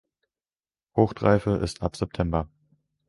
Fruchtreife ist ab September.